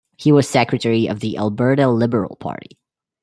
He was Secretary of the Alberta Liberal Party.